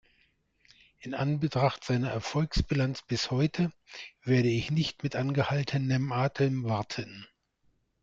In Anbetracht seiner Erfolgsbilanz bis heute, werde ich nicht mit angehaltenem Atem warten.